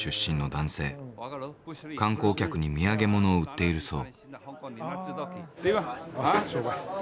観光客に土産物を売っているそう。